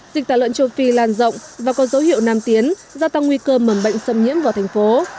dịch tả lợn châu phi lan rộng và có dấu hiệu nam tiến gia tăng nguy cơ mẩm bệnh xâm nhiễm vào thành phố